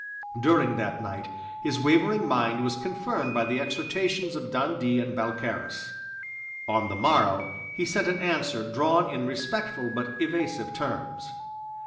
During that night his wavering mind was confirmed by the exhortations of Dundee and Balcarras. On the morrow he sent an answer drawn in respectful but evasive terms.